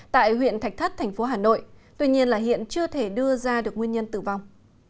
tại huyện thạch thất thành phố hà nội tuy nhiên là hiện chưa thể đưa ra được nguyên nhân tử vong